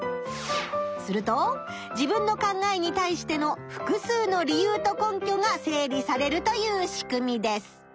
すると自分の考えに対しての複数の理由と根拠が整理されるという仕組みです。